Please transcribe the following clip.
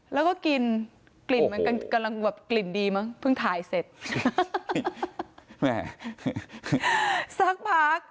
แล้วก็กินกลิ่นมันกำลังแบบกลิ่นดีมั้งเพิ่งถ่ายเสร็จแม่สักพัก